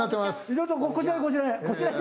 こちらへこちらへ。